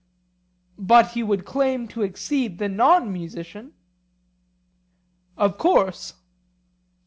But he would claim to exceed the non musician? Of course.